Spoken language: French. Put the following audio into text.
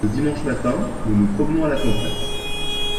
le dimanche matin nous nous promenons à la campagne.